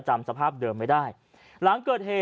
ชาวบ้านญาติโปรดแค้นไปดูภาพบรรยากาศขณะ